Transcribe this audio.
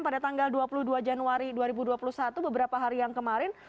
pada tanggal dua puluh dua januari dua ribu dua puluh satu beberapa hari yang kemarin